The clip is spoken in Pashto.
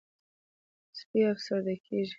سپي افسرده کېږي.